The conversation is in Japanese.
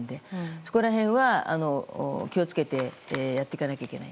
そこら辺は、気を付けてやっていかなければいけない。